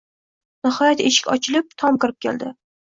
Nihoyat, eshik ochilib, Tom kirib keldi